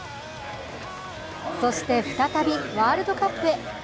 そして再びワールドカップへ。